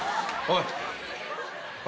おい。